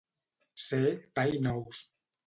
Ser pa i nous.